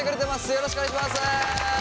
よろしくお願いします！